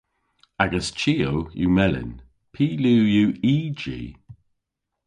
Agas chiow yw melyn. Py liw yw y ji?